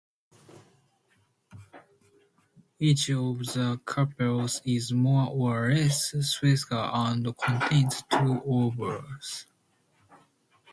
Each of the carpels is more or less spherical and contains two ovules.